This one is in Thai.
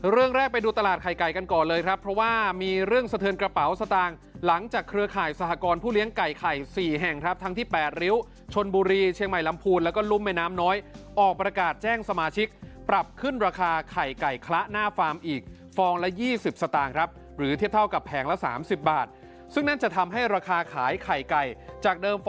เรื่องแรกไปดูตลาดไข่ไก่กันก่อนเลยครับเพราะว่ามีเรื่องสะเทินกระเป๋าสตางค์หลังจากเครือข่ายสหกรณ์ผู้เลี้ยงไก่ไข่๔แห่งครับทั้งที่๘ริ้วชนบุรีเชียงใหม่ลำพูนแล้วก็รุ่มแม่น้ำน้อยออกประกาศแจ้งสมาชิกปรับขึ้นราคาไข่ไก่คละหน้าฟาร์มอีกฟองละ๒๐สตางค์ครับหรือเทียบเท่ากับแผงละ๓๐บาทซึ่งนั่นจะทำให้ราคาขายไข่ไก่จากเดิม